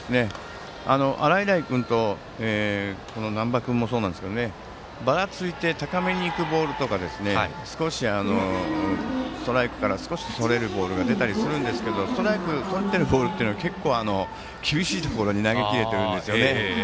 洗平君と難波君もそうですがばらついて高めに浮くボールとかストライクから少しそれるボールが出るんですけどストライクをとっているボールは結構厳しいところに投げ切れているんですよね。